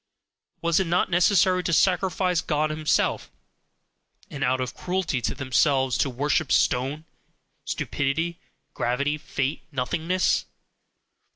Was it not necessary to sacrifice God himself, and out of cruelty to themselves to worship stone, stupidity, gravity, fate, nothingness?